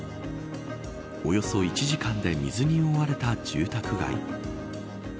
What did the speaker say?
およそ１時間で水に覆われた住宅街。